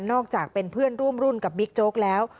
อกจากเป็นเพื่อนร่วมรุ่นกับบิ๊กโจ๊กแล้ว